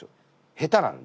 下手なんで。